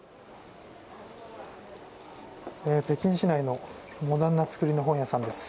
北京市内のモダンな造りの本屋さんです。